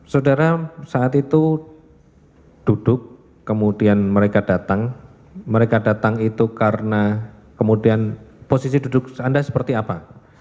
saudara saat itu duduk kemudian mereka datang mereka datang itu karena kemudian posisi duduk anda seperti apa